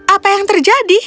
apa yang terjadi